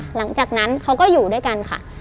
หลังจากนั้นเขาก็อยู่ด้วยกันค่ะ